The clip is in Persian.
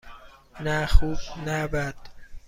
نه خوب - نه بد.